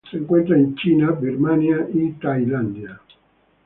Se encuentra en China, Birmania, y Tailandia.